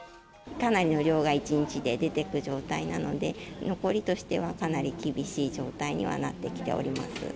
かなりの量が１日で出ていく状態なので、残りとしてはかなり厳しい状態にはなってきております。